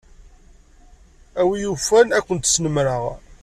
A win yufan ad kem-snemmreɣ.